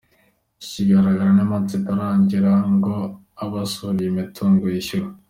Ikindi kigaragara ni imanza zitararangira ngo abasahuriwe imitungo yishyurwe.